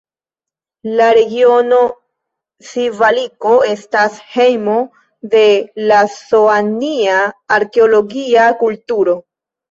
La regiono Sivaliko estas hejmo de la Soania arkeologia kulturo.